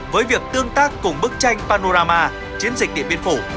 với việc tương tác cùng bức tranh panorama chiến dịch điện biên phủ